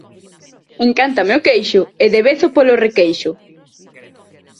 Encántame o queixo e devezo polo requeixo.